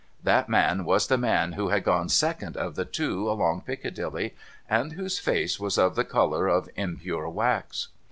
That man was the man who had gone second of the two along Piccadilly, and whose face w'as of the colour of impure wax.